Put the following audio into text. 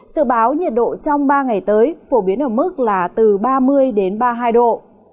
sự báo nhiệt độ trong ba ngày tới phổ biến ở mức là từ ba mươi đến ba mươi hai độ